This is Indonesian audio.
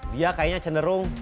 dia kayaknya cenderung